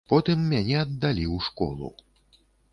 Потым мяне аддалі ў школу.